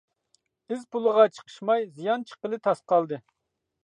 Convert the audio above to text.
ئىز پۇلىغا چىقىشماي، زىيان چىققىلى تاس قالدى.